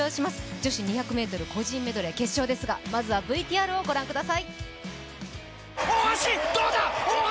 女子２００ｍ個人メドレー決勝ですが、まずはＶＴＲをご覧ください。